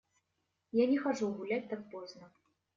Я не хожу гулять так поздно.